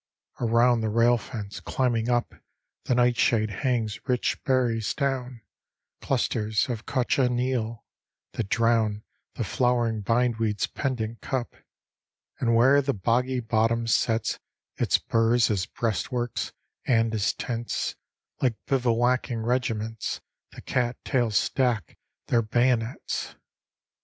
Around the rail fence, climbing up, The nightshade hangs rich berries down, Clusters of cochineal, that drown The flowering bind weed's pendant cup: And where the boggy bottom sets Its burs as breastworks and as tents, Like bivouacking regiments, The cat tails stack their bayonets.